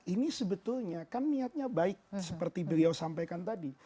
ini sebetulnya kan niatnya baik seperti beliau sampaikan tadi